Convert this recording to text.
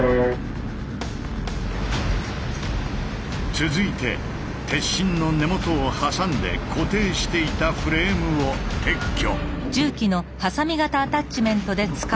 続いて鉄心の根元を挟んで固定していたフレームを撤去。